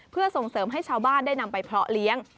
เพื่อส่งเสริมให้ชาวบ้านได้นำไปเพาะเลี้ยง